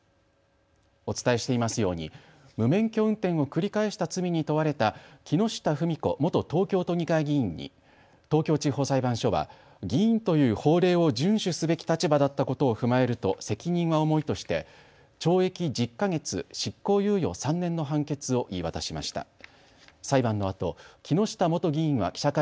お伝えしていますように無免許運転を繰り返した罪に問われた木下富美子元東京都議会議員に東京地方裁判所は議員という法令を順守すべき立場だったことを踏まえると責任は重いとして懲役１０か月、執行猶予３年の判決を言い渡しました。